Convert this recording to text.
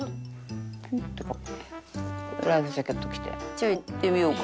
「じゃあいってみようか」。